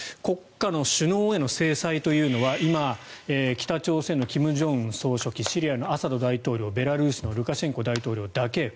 国家の首脳への制裁というのは今、北朝鮮の金正恩総書記シリアのアサド大統領ベラルーシのルカシェンコ大統領だけ。